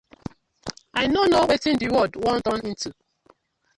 I no kno wetin di world dey turn to ooo.